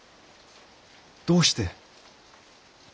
どうして？